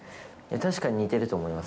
確かに似てると思います。